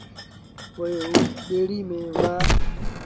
پوء او ٻيڙيٚ ميݩ وهُڙآ